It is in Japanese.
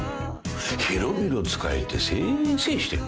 広々使えてせいせいしてる。